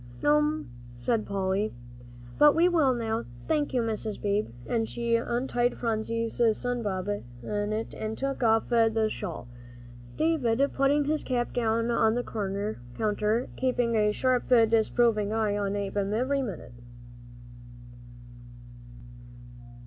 "No'm," said Polly, "but we will now, thank you, Mrs. Beebe," and she untied Phronsie's sun bonnet and took off the shawl, David putting his cap down on the counter, keeping a sharp, disapproving eye on Ab'm every minute.